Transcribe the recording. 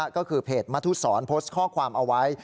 ก็คือเพจมทุศรโพสต์ข้อความเอาไว้